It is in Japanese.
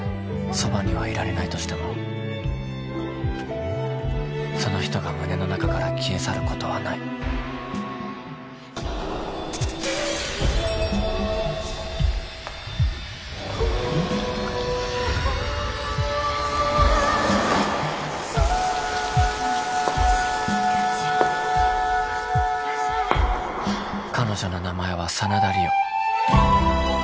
そばにはいられないとしてもその人が胸の中から消え去ることはない彼女の名前は真田梨央